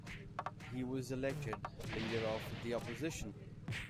He was elected leader of the opposition.